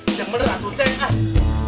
ini bener tuh cenk